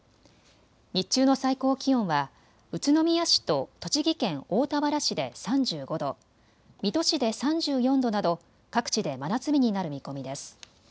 日中の最高気温は宇都宮市と栃木県大田原市で３５度、水戸市で３４度など各地で真夏日になる見込みです。